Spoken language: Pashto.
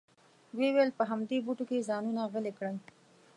وې ویل په همدې بوټو کې ځانونه غلي کړئ.